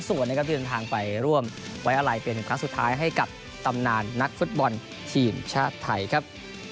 และก็บินทางไปร่วมไว้อลัยเปลี่ยนครั้งสุดท้ายให้กับตำนานนักฟุตบอลทีมชาติไทยครับ